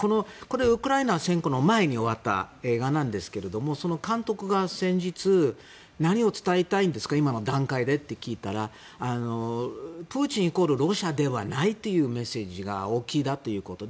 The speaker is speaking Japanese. ウクライナ侵攻の前に終わった映画なんですけどその監督に先日、今の段階で何を伝えたいんですか？と聞いたらプーチン、イコールロシアではないというメッセージが大きいということ。